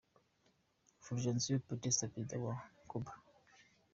Fulgencio Batista, perezida wa wa Cuba.